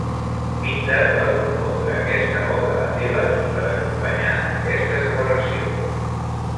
Píndar va compondre aquesta oda a Tebes per a acompanyar aquesta celebració.